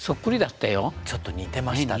ちょっと似てましたね。